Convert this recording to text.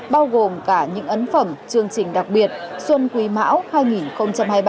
bao gồm cả những ấn phẩm chương trình đặc biệt xuân quý mão hai nghìn hai mươi ba